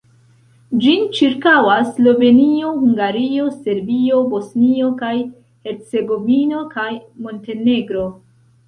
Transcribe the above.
Ĝin ĉirkaŭas Slovenio, Hungario, Serbio, Bosnio kaj Hercegovino kaj Montenegro.